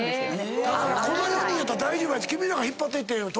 この４人やったら大丈夫やって。